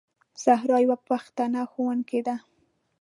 زهرا یوه پښتنه ښوونکې ده.